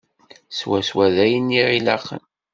Swaswa d ayen i ɣ-ilaqen.